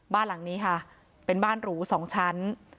บ้านหลังนี้ค่ะเป็นบ้านหรูสองชั้น